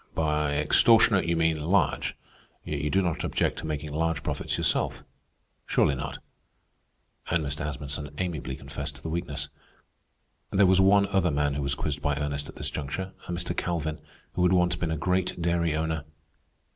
"By extortionate you mean large; yet you do not object to making large profits yourself? ... Surely not?" And Mr. Asmunsen amiably confessed to the weakness. There was one other man who was quizzed by Ernest at this juncture, a Mr. Calvin, who had once been a great dairy owner.